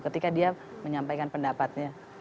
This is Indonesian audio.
ketika dia menyampaikan pendapatnya